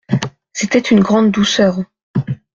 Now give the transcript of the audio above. C'était une grande douceur.